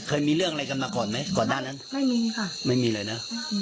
เคยมีเรื่องอะไรกันมาก่อนไหมก่อนด้านนั้นไม่มีค่ะไม่มีเลยนะ